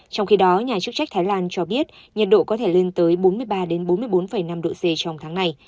trong khi đó nhà chức trách thái lan cho biết nhiệt độ có thể lên tới bốn mươi ba bốn mươi bốn năm độ c trong tháng này